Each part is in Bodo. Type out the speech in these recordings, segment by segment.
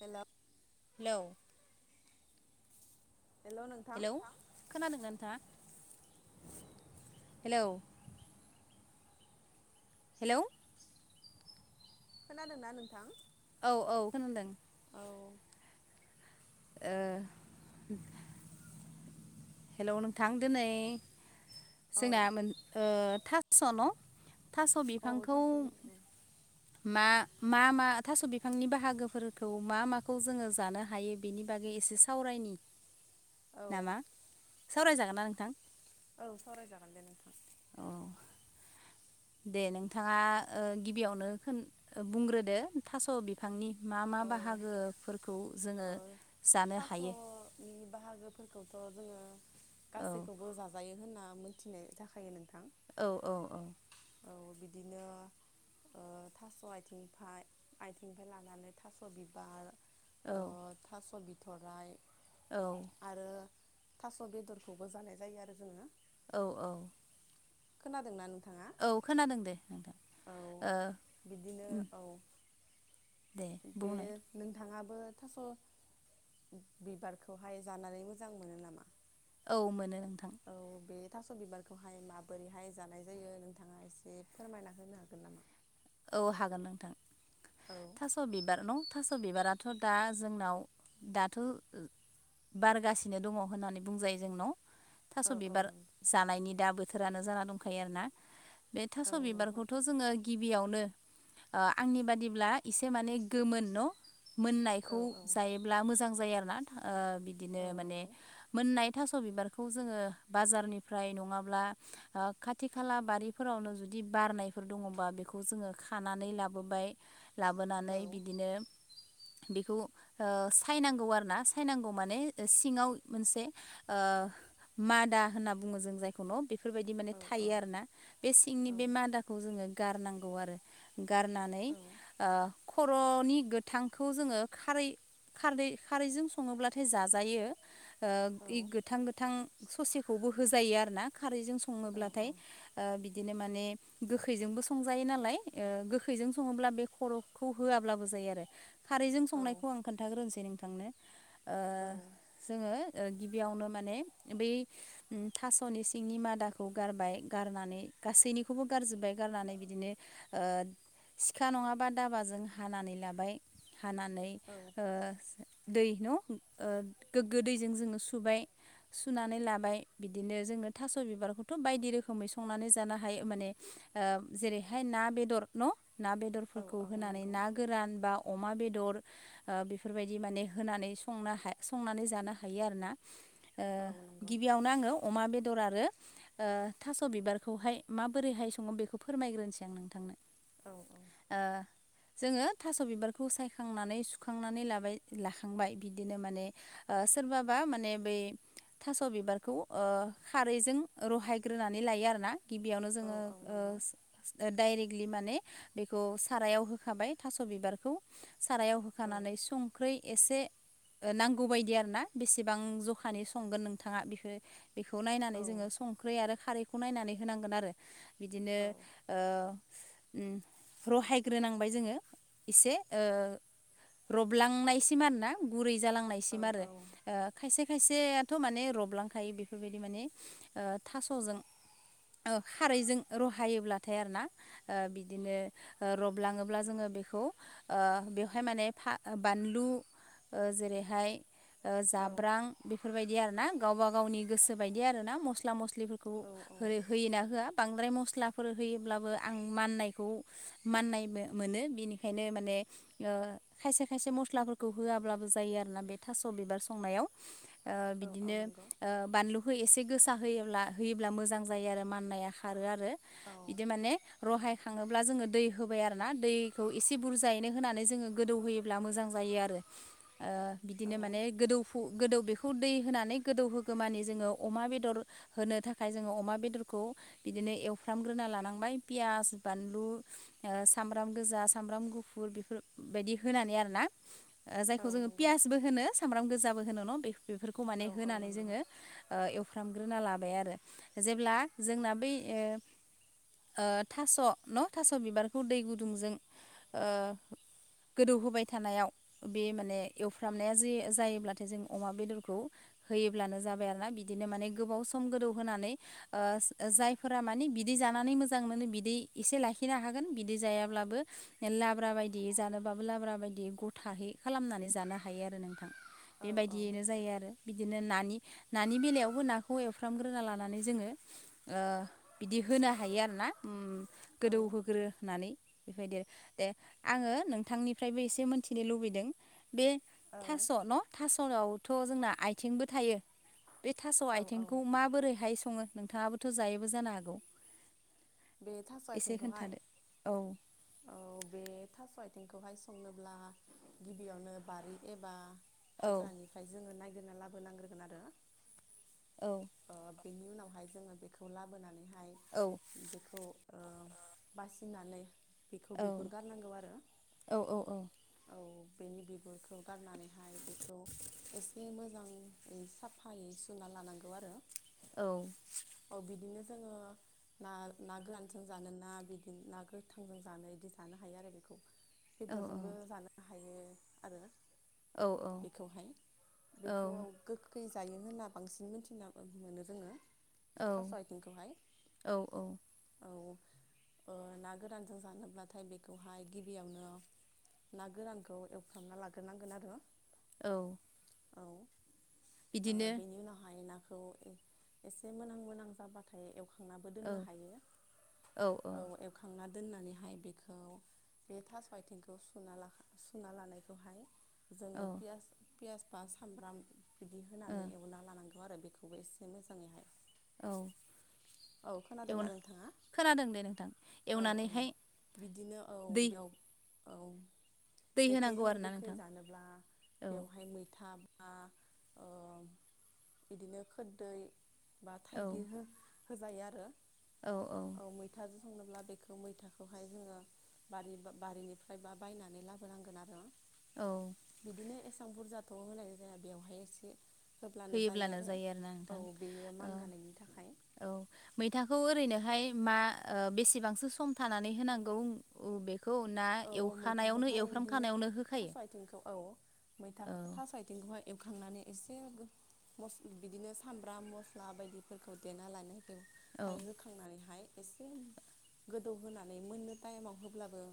हेलौ हेलौ हेलौ खोनादोंना नोंथाङा? हेलौ हेलौ खोनादोंना नोंथां? औ औ खोनादों। औ ओ हेल' नोंथां दिनै औ जोंना मोन ओ थास' न'। थास' बिफांखौ थास' बिलाइ मा मा मा थास' बिफांनि बाहागोफोरखौ मा माखौ जोङो जानो हायो बेनि बागै एसे सावराय यनि औ नामा सावरायजागोन ना नोंथां? औ सावरायजागोन दे नोंथां। औ। दे नोंथाङा ओ गिबियावनो खोन ओ बुंग्रोदो थास' बिफांनि मा मा औ बाहागोफोरखौ ओ जोङो जानो हायो थास'नि बाहागोफोरखौथ' जोङो औ गासैखौबो जाजायो होनना मिथिनाय जाखायायो नोंथां। औ औ औ। औ बिदिनो ओ थास' आइथिं आथिंइनिफाय लानानै थास' बिबार ओ औ थास' बिथ'राइ औ आरो थास' बेदरखौबो जानाय जायो आरो जोङो। औ औ खोनादोंना नों औ खोनादों दे नोंथां। औ ओ बिदिनो उम औ। दे बे बुंलाय नोंथाङा बो थास' बिबारखौहाय जानानै मोजां मोनो नामा? औ मोनो नोंथां। औ बे थास' बिबारखौहाय माबोरैहाय जानाय जायो नोंथाङा एसे फोरमायना होनो हागोन नामा? औ हागोन नोंथां औ थास' बिबार न' थास' बिबाराथ' दा जोंनाव दाथ' बारगासिनो दङ' होननानै बुंजायो जोंनाव। थास' औ औ बिबार नंगौ जानायनि दा बोथोरानो जाना दंखायो आरोना। बे औ थास' नंगौ बिबारखौथ' जोङो गि गिबियावनो ओ आंनि बादिब्ला एसे माने गोमोन न' औ मोननायखौ औ जायोब्ला मोजां जायो आरोना ओ बिदिनो औ माने नंगौ मोननाय। थास' बिबारखौ जोङो बाजारनिफ्राय नङाब्ला ओ खाथि खाला बारिफोरावनो जुदि बिदि बारनायफोर दङ'बा बेखौ जोङो खानानै लाबोबाय औ लाबोनानै बिदिनो। [inaudible] बेखौ ओ सायनांगौ आरो ना सायनांगौ माने सिङाव मोनसे ओ। मादा होनना बुङो जों जायखौ न' बे बेफोर बायदि माने औ औ थायो आरो ना बे सिंनि औ बे मादाखौ जोङो गारनांगौ आरो गारनानै औ ओ खर'नि। गोथांखौ जोङो खारै खारै खारैजों सङोब्लाथाय जाजायो। ओ इ गोथां गोथां ससेखौबो होजायो आरना खारैजों सङोब्लाथाय ओ बिदिनो माने गोखैजोंबो सं जायो नालाय ओ गोखैजों सङोब्ला बे खर'खौ होआबाबो जायो आरो। खारैजों संनायखौ आं खोन्थाग्रोनोसै नोंथांनो ओ औ जोङो। गिबियावनो माने बै थास'नि सिंनि मादाखौ गारबाय गारनानै। गासैनिखौबो गारजोब्बाय गारनानै बिदि। बिदिनो ओ सिखा नङाबा दाबाजों हानानै लाबाय। हानानै ओ दै न' गोग्गो दैजों जोङो सुबाय। सुनानै लाबाय बिदिनो जोंनो थास' बिबारखौथ' बायदि रोखोमै संनानै जानो हायो माने। ओ जेरैहाय ना बेदर न' ना औ बेदरफोरखौ औ होनानै नंगौ ना गोरान बा अमा बेदर। ओ बेफोरबायदि माने होनानै संनो संनानै जानो हायो आरोना। ओ औ नंगौ गिबियावनो आङो अमा बेदर आरो। ओ थास' बिबारखौहाय माबोरैहाय सङो बेखौ फोरमायग्रोनोसै आं नोंथांनो। औ औ ओ जोङो थास' बिबारखौ सायखांनानै सुखांनानै लाबाय लाखांबाय बिदिनो माने ओ सोरबाबा माने बै थास' बिबारखौ ओ खारैजों रहायग्रोनानै लायो आरोना। गिबियावनो औ जोङो औ ओ। नंगौ डाइरेक्टलि माने बेखौ सारायाव होखाबाय थास' बिबारखौ। सारायाव औ होखानानै संख्रै एसे। नांगौ बायदि आरो ना बेसेबां जखानि संगोन नोंथाङा बेखौ। बेखौ औ नायनानै जोङो संख्रि आरो खारैखौ नायनानै होनांगोन आरो बिदिनो। औ ओ रहायग्रोनांबाय जोङो एसे। रबलांनायसिम आरो ना गुरै जालांनायसिम आरो औ ओ खायसे खायसे। थ' माने रबलांखायो बेफोरबायदि माने ओ थास'जों। खारैजों र रहायोब्लाथाय आरोना बिदिनो रबलाङोब्ला जोङो बेखौ ओ बेवहाय हाय माने बानलु जेरैहाय ओ जाब्रां बेफोरबायदि आरोना गावबा गावनि गोसो बायदि आरो ना मस्ला मस्लि फोरखौ औ औ होयोना होया बांद्राय मसला फोर होयोब्लाबो आं माननायखौ माननायबो मोनो बेनिखायनो माने ओ खायसे खायसे मसलाफोरखौ होआबाबो जायो आरो ना बे थास' बिबार संनायाव ओ औ औ बिदिनो नंगौ बानलुखौ एसे गोसा होयोब्ला होयोब्ला मोजां जायो आरो माननाया खारो आरो औ बिदि माने रहाय खाङोब्ला जोङो दै होबाय आरो ना दैखौ एसे बुरजायैनो होनानै जोङो गोदौहोयोब्ला मोजां जायो आरो ओ औ बिदिनो माने गोदौफु गोदौ बेखौ दै होनानै गोदौहोगोमानि जोङो अमा बेदर होनो थाखाय जोङो अमा बेदरखौ बिदिनो एव एवफ्रामग्रोना लानांबाय पियास बानलु ओ सामब्राम गोजा सामब्राम गुफुर बेफोर बायदि होनानै आरोना ओ औ जायखौ जोङो नंगौ पियासबो होनो सामब्राम गोजाबो होनो न' बेखौ बेफोरखौ औ माने औ होनानै नंगौ जोङो ओ एवफ्रामग्रोना ला लाबाय आरो जेब्ला जोंना बै ओ ओ थास' न' थास' बिबारखौ दै गुदुंजों गोदौ होबाय थानायाव बे माने एवफ्रामनाया जे जायोब्लाथाय जों अमा बेदरखौ होयोब्लानो जाबाय आरोना बिदिनो माने गोबाव सम गोदौ होनानै ओ जायफोरा माने बि बिदै जानानै मोजां मोनो बिदै एसे लाखिनो हागोन बिदै जायाब्लाबो लाब्रा बायदि जनो बाबो लाब्रा बायदि गथाहै खालामनानै जानो हायो आरो नोंथां। औ बेबायदियैनो जायो आरो बिदिनो नानि नानि बेलायावबो नाखौ एवफ्रामग्रोना लानानै जोङो ओ बिदि होनो हायो आर ना औ गोदौहोग्रोनानै बेबायदि दे आङो नोंथांनिफ्रायबो एसे मोनथिनो लुबैदों बे औ थास' न' थास'आवथ' जोंना आथिंबो थायो। बे थास' औ औ आथिंखौ माबोरैहाय सङो नोंथाङाबोथ' जायोबो जानो हागौ। बे थास' एसे आथिंखौहाय खोन्थादो औ औ बे थास'थि आथिंखौहाय संनोब्ला गिबियावनो बारि एबा औ हाग्रानिफ्राय जोंङो नोनना लाबोनांग्रोनोगोन आरो औ। ओ बेनि उनावहाय जोंङो बेखौ लाबोनानैहाय औ खौ बासिनानै बेखौ बिगुर गारनांगौ आरो औ औ बेनि बिगुरखौ गारनानैहाय बेखौ एसे मोजांङै साफायै सुना ला लानांगौ आरो औ जोंङो ना ना गोरानजों जानो ना बिदि ना गोथांजों जानो बिदि जानो हायो आरो बेखौ औ बेदरजोंबो जानो हायो आरो बेखौहाय बेखौ गोखै जायो होनना बांसिन मोनथिना मोनो रोंङो औ औ औ। औ [unintelligible] ना गोरानजों जानोब्लाथाय बेखौहाय गिबियावनो ना गोरानखौ एवफ्रामना लाग्रोनांगोन आरो औ। औ बिदिनो बेनि उनावहाय ना एसे मोनां मोनोनां जाबाथाय एवखांनानै औ दोननो हायो औ एवखांनानै दोननानैहाय बेखौ बे थास आथिंखौ सु ला सुना लानायखौहाय। औ जोङो पियास पियास बा सामब्राम बिदि होनानै एवना लानांगोन। आरो बेखौबो एसे मोजाङैहाय। औ औ खोनादोंना नोंथाङा खोनादों दे नोंथां औ औ एवनानैहाय बिदिनो औ दै बेयाव औ दै बेखौ होनांगौ जोंङो आरोना गोखै नोंथां जानोब्ला औ बेवहाय मैथा बिदिनो खोरदै बा औ थाइगिर हो होजायो आरो औ मैथा सावनोब्ला बेखौ मैथाखौहाय जोंङो बारि बारिनिफ्राय बा बायनानै लाबोनांगोन आरो। औ बिदिनो एसां बुरजाथ' होनाय जाया बेवहाय एसे होब्लानो जायो होयोब्लानो आरो आरोना औ नोंथां बेयो ओ मान गानायनि थाखाय। औ मैथाखौ ओरैनोहाय मा बेसेबांसो सम थानानै होनांगौ बे। औ मैथाखौहाय बिदिनो थास' होखायो आथिंखौ औ मैथा औ थास' आथिंखौहाय। एवखांनानै एसे बिदिनो सामब्राम मस्ला बायदिफोरखौ देना लानायखौ। औ हाय होखांनानैहाय एसे गोदौहोनानै मोननो टाइमाव होब्लाबो।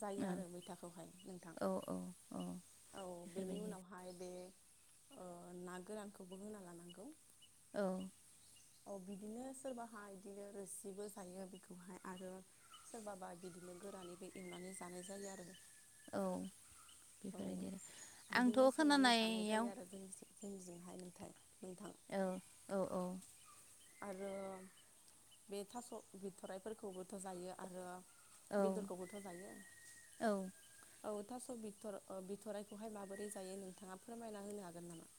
जायो आरो मैथाखौहाय नोंथां औ औ औ औ बेनि बेफोरबायदि उनावहाय बे ना गोरानखौबो होना लानांगौ। औ। औ बिदिनो सोरबाहा बिदिनो रोसिबो जायो बेखौहाय आरो सोरबाबा बिदि। बिदिनो गोरानैबो एवनानै जानाय जायो आरो। औ औ बेफोरबायदि आरो आंथ' खोनानायाव। जों बिजोंहाय नोंथाय नोंथां। औ औ औ आरो बे थास' बिथराइफोरखौबोथ' जायो आरो। औ बेदरखौबोथ' जायो। औ औ थास' बिथ बिथ'ररायखौहाय माबोरै जायो नोंथांङा फोरमायना होनो हागोन नामा।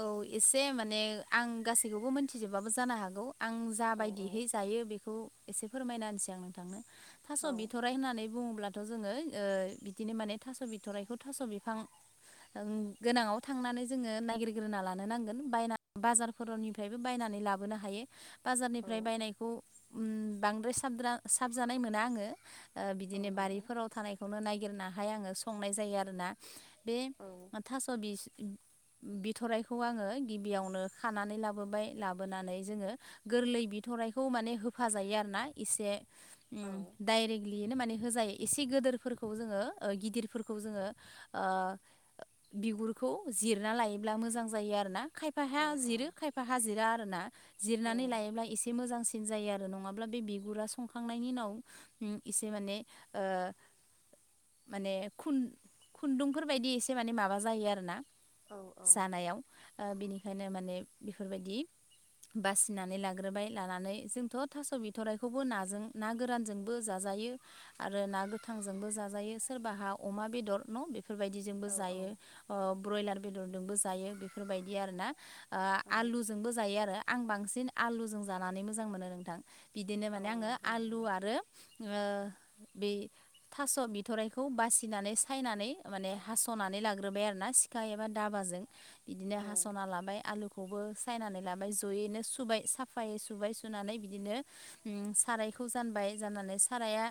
औ एसे माने आं गासैखौबो मोनथिजोबाबो जानो हागौ। आं जा औ औ बायदिहै जायो बेखौ एसे फोरमायना होनसै आं नोंथांनो। थास' औ बिथराय होननानै बुङोब्ला। थ' जोङो बिदिनो माने थास' बिथ'राइखौ थास' बिफां गोनाङाव थांनानै जोङो नायगिर ग्रोना लानो नांगोन बाय बाजारफोरनिफ्रायबो बायनानै लाबोनो हायो। औ बाजारनिफ्राय बायनायखौ बांद्राय साब साबजानाय मोना आङो। औ बिदिनो नंगौ बारिफोराव थानायखौनो नायगिरनाहाय आङो संनाय जायो आरो ना? बे औ थास' बि थराइखौ आङो गिबियावनो खानानै लाबोबाय लाबोनानै जोङो गोरलै बिथराइखौ। माने होफाजायो आरो ना एसे। औ औ डाइरेक्टलियैनो माने होजायो एसे गोदोरफोरखौ जोङो। गिदिरफोरखौ जोङो बिगुरखौ जिरना लायो। ब्ला मोजां जायो आरो ना खायफाहा औ जिरो खायफाहा जिरा आरो ना औ जिरनानै लायोब्ला एसे मोजांसिन। जायो आरो नङाब्ला बे बिगुरा संखांनायनि उनाव एसे माने। माने खुन्दुंफोर बायदि एसे माने माबा जायो आरो ना। औ जानायाव बिनिखायनो माने बेफोर बायदि बासिनानै लाग्रोबाय लानानै जोंथ' थास' बिथ'रायखौबो नाजों ना गोरानजोंबो जाजा यो आरो ना गोथां जोंबो जाजायो सारबाहा अमा बेदर ना बेफोर बायदिजोंबो औ जायो ब्रयलार बेदरदोंबो जायो बेफोरबायदि आरो ना। औ आलुजोंबो जायो आरो आं बांसिन आलुजों जानानै मोजां मोनो नोंथां। बिदिनो औ माने आङो नंगौ नामा आलु नोंथां आरो। बे थास' बिथ'राइखौ बासिनानै सायनानै माने हास'नानै लाग्रोबाय आरोना सिखा एबा दाबाजों बिदिनो औ हास'ना लाबाय आलुखौ खौबो सायनानै लाबाय जयैनो सुबाय साफायै सुबाय सुनानै बिदिनो साराय खौ जानबाय जाननानै साराया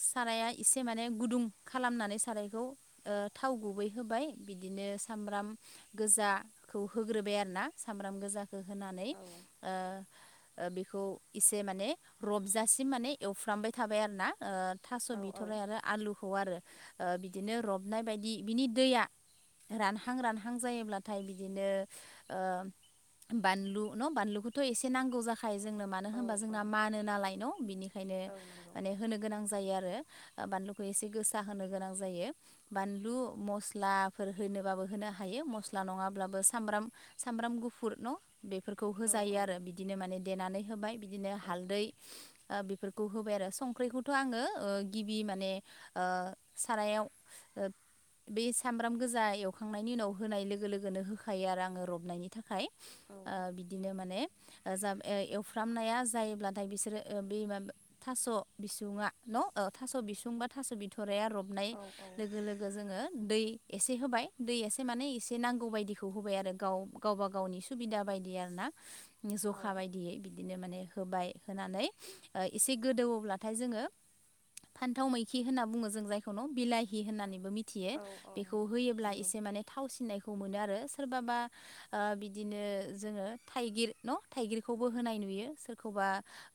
साराया एसे माने गुदुं खालामनानै सारायखौ थाव गुबै होबाय बिदिनो सामब्राम गोजाखौ होग्रोबाय आरोना सामब्राम गोजाखौ होनानै औ बेखौ एसे माने रबजासिम माने एवफ्रांबाय थाबाय आरो ना थास' बिथरनाय आरो आलुखौ आरो बिदिनो रबनाय बायदि बिनि दैया रानहां रानहां जायोब्लाथाय बिदिनो ओ बानलु न बानलुखौथ' एसे नांगौ जा खायो जोंनो मानो औ होनबा जोंना मानो नालाय न बिनिखायनो औ नंगौ माने होनो गोनां जायो आरो बानलुखौ एसे गोसा होनो गोनां जायो बानलु मस्लाफोर होनोबाबो होनो हायो मस्ला नङाब्लाबो सामब्राम सामब्राम गुफुर न' बेफोरखौ औ होजायो औ आरो बिदिनो माने देनानै होबाय बिदिनो औ हालदै बेफोर खौ होबाय आरो संख्रिखौथ' आङो गिबि माने सारायाव बे सामब्राम गोजा एवखांनायनि उनाव होनाय लोगो लोगोनो होखायो आरो आङो रबनायनि थाखाय औ बिदिनो माने जा एवफ्रामनाया जायोब्लाथाय बिसोरो बे माबा थास' बिसुुङा न' थास' बिसुं बा थास' बिथ'रा रबनाय लोगो लोगो जोङो दै एसे होबाय दैयासे माने एसे नांगौ बायदिखौ होबाय आरो गाव गावबा गावनि सुबिदा बायदि आरो ना जखा बायदियै बिदिनो माने होबाय होनानै एसे गोदौवोब्लाथाय जोङो फान्थाव मैखि होनना बुङो जों जायखौ न बिलाहि होननानैबो मिथि थियो औ औ बेखौ होयोब्ला नंगौ एसे माने थावसिननायखौ मोनो आरो सोरबाबा बिदिनो जोङो थाइगिर न' थाइगिरखौबो होनाय नुयो सोरखौबा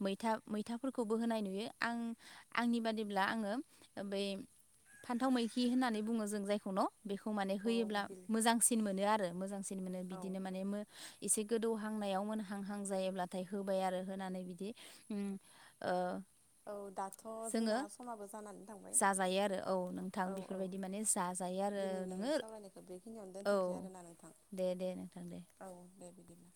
बा मा मैथाफोरखौबो होनाय नु आ आंनि बादिब्ला आङो बै फान्थाव मैखि होननानै बुंङो जों जाय बेखौ माने औ होयोब्ला बिल मोजांसिन मोनो आरो मोजांसिन मोनो औ बिदिनो माने एसे गोदौहांनायाव मोनहांहां जायोब्लाथाय होबाय आरो होनानै बिदि औ दाथ' जोङो जोंना समाबो जाबाय जाजायो आरो औ नोंथां औ बेफोरबायदि माने जा दिनैनि सावरायनायखौ बेखिनियावनो औ दोनथ'नोसै आरोना नोंथां दे दे नोंथां दे औ दे बिदि [inaudible]